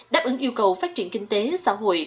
đáp ứng yêu cầu phát triển kinh tế xã hội